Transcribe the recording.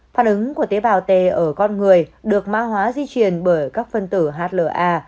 phản ứng của tế bào t ở con người được mã hóa di truyền bởi các phân tử hla